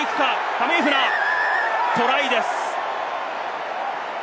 タメイフナ、トライです！